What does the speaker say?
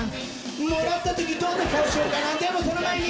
もらった時どんな顔しようかなでもその前に